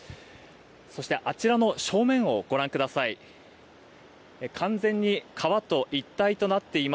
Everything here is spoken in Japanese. そして、あちらの正面をご覧ください。